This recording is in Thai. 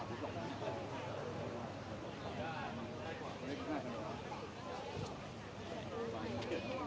พี่นั่งความอัฏฟินออกไปกับชุมไปและค่อยก็เพื่อนกัน